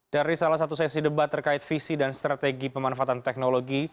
dari salah satu sesi debat terkait visi dan strategi pemanfaatan teknologi